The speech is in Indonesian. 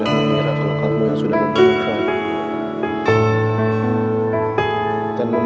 hujan yang habis semua buat aku